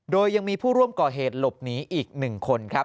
โดยยังมีผู้ร่วมก่อเหตุหลบหนีอีก๑คนครับ